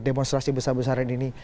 demonstrasi besar besaran ini